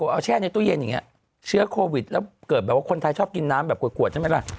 เอาแช่ในตู้เย็นอย่างนี้เชื้อโควิดแล้วเกิดแบบว่าคนไทยชอบกินน้ำแบบขวดใช่ไหมล่ะ